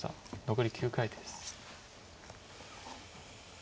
残り９回です。